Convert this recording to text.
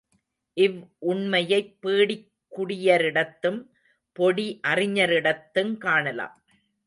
இவ் உண்மையைப் பீடிக் குடியரிடத்தும் பொடி அறிஞரிடத்துங் காணலாம்.